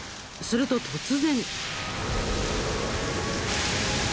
すると突然。